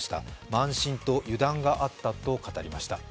慢心と油断があったと語りました。